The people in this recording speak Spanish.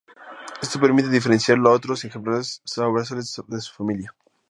Esto permite diferenciarlo de otros ejemplares basales de su familia.